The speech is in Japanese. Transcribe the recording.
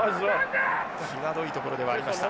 際どいところではありました。